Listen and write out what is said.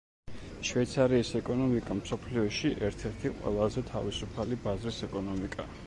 შვეიცარიის ეკონომიკა მსოფლიოში ერთ-ერთი ყველაზე თავისუფალი ბაზრის ეკონომიკაა.